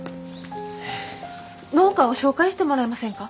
農家を紹介してもらえませんか？